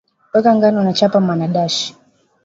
weka ngano na chapa manadashi